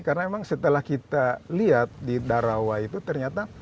karena memang setelah kita lihat di darawah itu ternyata